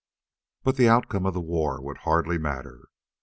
But the outcome of the war would hardly matter.